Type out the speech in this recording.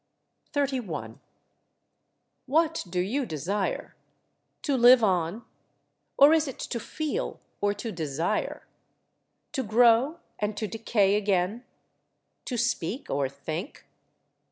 31. What do you desire? To live on? Or is it to feel or to desire? To grow and to decay again? To speak or think?